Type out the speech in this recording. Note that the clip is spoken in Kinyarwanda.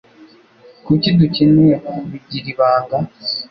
Kuki dukeneye kubigira ibanga?